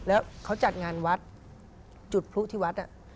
แล้วเขาจัดงานวัดจุดพลุที่วัด